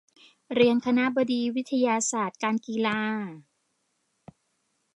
เรียน คณบดีคณะวิทยาศาสตร์การกีฬา